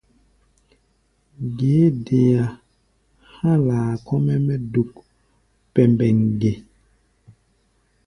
Ge é dea há̧ laa kɔ́-mɛ́ mɛ́ duk pɛmbɛŋ ge?